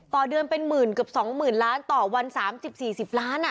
ต่อเดือนเป็น๑๐๐๐๐๒๐๐๐๐ล้านต่อวัน๓๐๔๐ล้าน